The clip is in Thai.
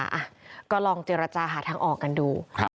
อ่ะก็ลองเจรจาหาทางออกกันดูครับ